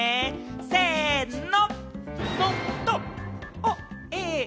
せの！